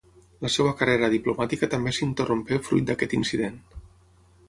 La seva carrera diplomàtica també s'interrompé fruit d'aquest incident.